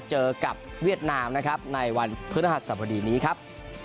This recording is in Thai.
เจอกับเวียดนามนะครับในวันพฤหัสสบดีนี้ครับ